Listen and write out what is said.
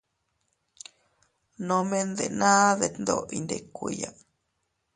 Nome ndenaa detndoʼo iyndikuiya.